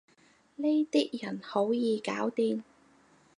呢啲人好易搞掂